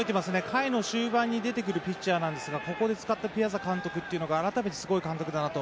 回の終盤で出てくるピッチャーなんですがここで使ったピアザ監督は改めてすごい監督だなと。